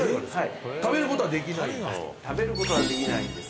食べることはできないです。